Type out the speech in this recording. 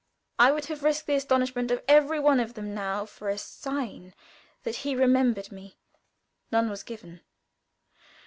I would have risked the astonishment of every one of them now, for a sign that he remembered me. None was given.